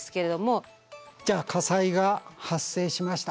じゃあ火災が発生しました。